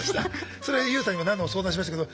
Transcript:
それはＹＯＵさんには何度も相談しましたけど